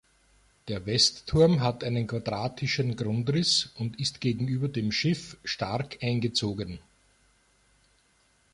Der Westturm hat einen quadratischen Grundriss und ist gegenüber dem Schiff stark eingezogen.